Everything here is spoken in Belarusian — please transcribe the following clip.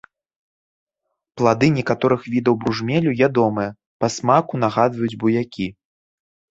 Плады некаторых відаў бружмелю ядомыя, па смаку нагадваюць буякі.